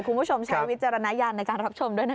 คุณผู้ชมใช้วิจารณญาณในการรับชมด้วยนะคะ